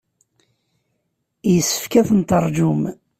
Yessefk ad ten-teṛjum.